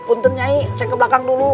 untuk nyai saya ke belakang dulu